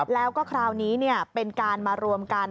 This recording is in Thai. แล้วก็คราวนี้เป็นการมารวมกัน